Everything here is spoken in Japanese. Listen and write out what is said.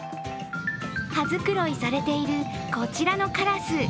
羽繕いされているこちらのカラス。